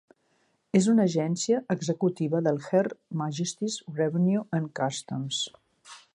És una agència executiva del Her Majesty's Revenue and Customs.